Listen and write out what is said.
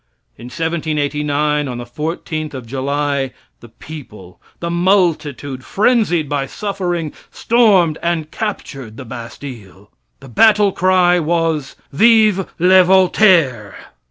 In 1789, on the 14th of July, the people, the multitude, frenzied by suffering, stormed and captured the Bastille. The battlecry was, "Vive le Voltaire!"